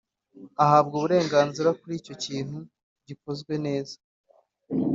ahabwa uburenganzira kuri icyo kintu gikozwe neza